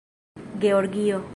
georgio